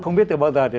không biết từ bao giờ